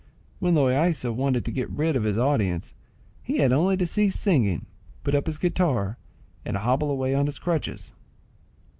When Loaysa wanted to get rid of his audience, he had only to cease singing, put up his guitar, and hobble away on his crutches.